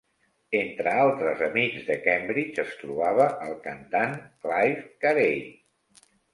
Entre altres amics de Cambridge es trobava el cantant Clive Carei.